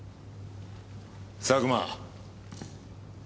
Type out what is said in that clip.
佐久間。